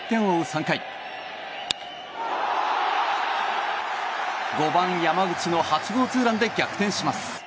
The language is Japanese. ３回５番、山口の８号ツーランで逆転します。